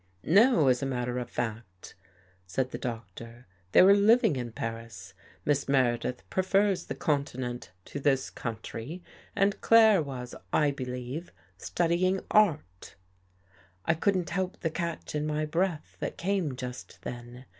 " No, as a matter of fact," said the Doctor, " they were living in Paris. Miss Meredith prefers the continent to this country and Claire was, I believe, studying art." I couldn't help the catch in my breath that came just then.